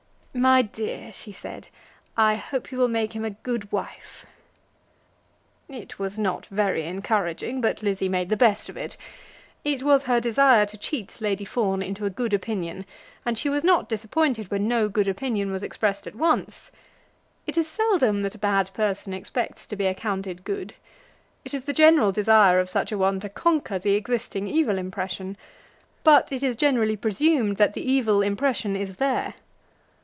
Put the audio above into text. "My dear," she said, "I hope you will make him a good wife." It was not very encouraging, but Lizzie made the best of it. It was her desire to cheat Lady Fawn into a good opinion, and she was not disappointed when no good opinion was expressed at once. It is seldom that a bad person expects to be accounted good. It is the general desire of such a one to conquer the existing evil impression; but it is generally presumed that the evil impression is there.